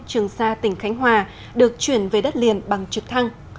trường sa tỉnh khánh hòa được chuyển về đất liền bằng trực thăng